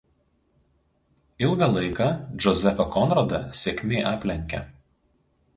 Ilgą laiką Džozefą Konradą sėkmė aplenkia.